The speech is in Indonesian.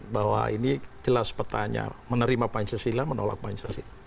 bahwa ini jelas petanya menerima pancasila menolak pancasila